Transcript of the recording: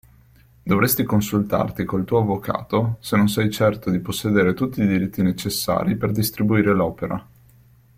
Dovresti consultarti col tuo avvocato se non sei certo di possedere tutti i diritti necessari per distribuire l'opera.